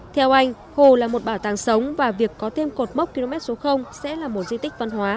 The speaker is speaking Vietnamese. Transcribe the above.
theo anh hồ là một bảo tàng sống và việc có thêm cột mốc km số sẽ là một di tích văn hóa